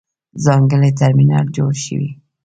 ځانګړی ترمینل جوړ شوی.